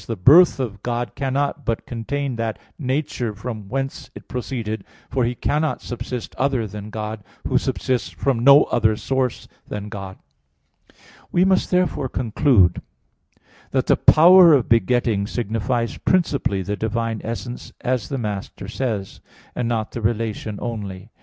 v): "The birth of God cannot but contain that nature from which it proceeded; for He cannot subsist other than God, Who subsists from no other source than God." We must therefore conclude that the power of begetting signifies principally the divine essence as the Master says (Sent. i, D, vii), and not the relation only.